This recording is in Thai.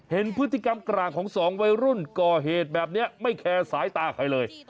เห็นพฤติกรรมกลางของสองวัยรุ่นก่อเหตุแบบนี้ไม่แคร์สายตาใครเลย